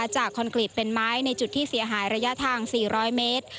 คอนกรีตเป็นไม้ในจุดที่เสียหายระยะทาง๔๐๐เมตร